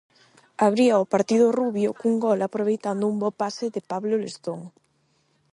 Abría o partido Rubio cun gol aproveitando un bo pase de Pablo Lestón.